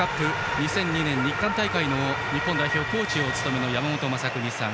２００２年日韓大会の日本代表コーチをお務めの山本昌邦さん。